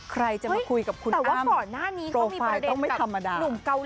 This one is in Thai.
ใครจะมาคุยกับคุณอ้ำโปรไฟล์ต้องไม่ธรรมดา